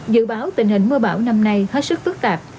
dự báo tình hình mưa bão năm nay hết sức phức tạp